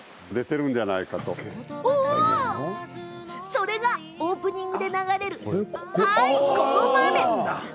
それがオープニングで流れるはい、この場面です。